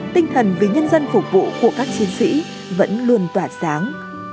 tinh thần vì nhân dân phục vụ của các chiến sĩ vẫn luôn tỏa sáng